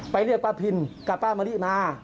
เรียกป้าพินกับป้ามะลิมา